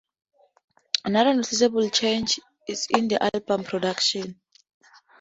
Another noticeable change is in the album's production.